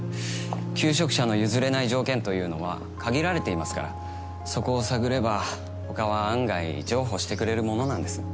求職者の譲れない条件というのは限られていますからそこを探れば他は案外譲歩してくれるものなんです。